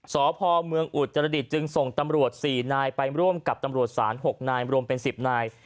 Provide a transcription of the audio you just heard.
สพเมืองอุตรดิษฐ์จึงส่งตำรวจ๔นายไปร่วมกับตำรวจศาล๖นายรวมเป็น๑๐นาย